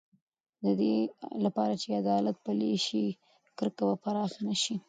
د دې لپاره چې عدالت پلی شي، کرکه به پراخه نه شي.